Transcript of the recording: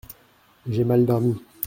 J’ai mal dormi…